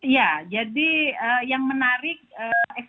ya jadi yang menarik